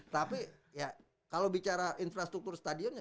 tapi ya kalau bicara infrastruktur stadionnya